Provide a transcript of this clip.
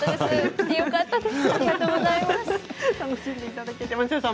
来てよかったです。